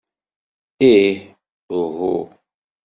Ih, uhu.